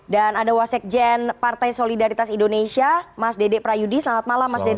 dan ada wasekjen partai solidaritas indonesia mas dede prayudi selamat malam mas dede